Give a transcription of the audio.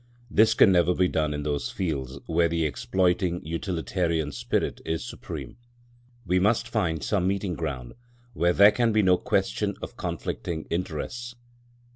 This can never be done in those fields where the exploiting utilitarian spirit is supreme. We must find some meeting ground, where there can be no question of conflicting interests.